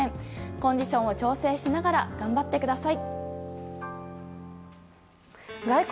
コンディションを調整をしながら頑張ってください。